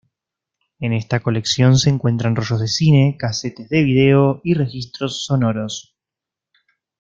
En esta colección se encuentran rollos de cine, casetes de video y registros sonoros.